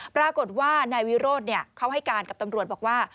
ปรากฏว่านายวิโรธเขาให้การกับตำรวจบอกว่า